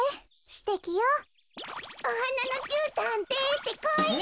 すてきよ。おはなのじゅうたんでてこい。